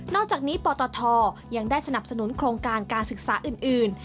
อกจากนี้ปตทยังได้สนับสนุนโครงการการศึกษาอื่น